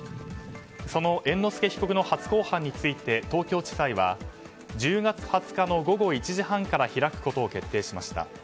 その猿之助被告の初公判について東京地裁は１０月２０日の午後１時半から開くことを決定しました。